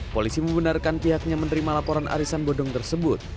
polisi membenarkan pihaknya menerima laporan arisan bodong tersebut